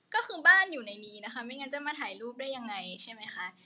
ก็คือบ้านอยู่ในนี้นะคะไม่งั้นจะมาถ่ายรูปได้ยังไงใช่ไหมคะ